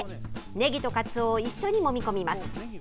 ねぎとかつおを一緒にもみ込みます。